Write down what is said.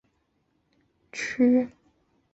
由廿七名司铎名管理廿四个堂区。